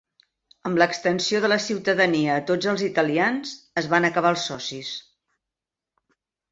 Amb l'extensió de la ciutadania a tots els italians es van acabar els socis.